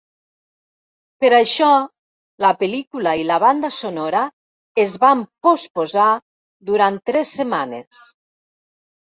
Per això, la pel·lícula i la banda sonora es van posposar durant tres setmanes.